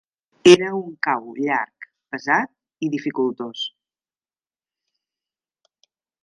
Era un cau llarg, pesat i dificultós.